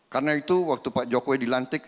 karena itu waktu pak jokowi dilantik